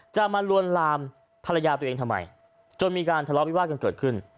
จะมาลวนลามภรรยาตัวเองทำไมจนมีการทะเลาะวิวาดกันเกิดขึ้น